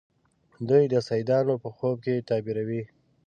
دوی د سیدانو په خوب کې تعبیروي.